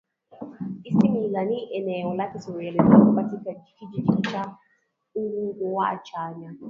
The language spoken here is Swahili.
isimila ni eneo la kihistoria lililopo katika kijiji cha ugwachanya